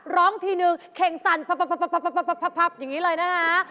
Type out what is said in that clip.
ร้องทีนึงเข่งสั่นพับอย่างนี้เลยนะคะ